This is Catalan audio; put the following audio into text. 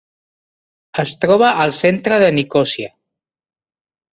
Es troba al centre de Nicòsia.